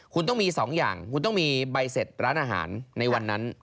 คุณต้องมี๒อย่างคุณต้องมีใบเสร็จร้านอาหารในวันนั้น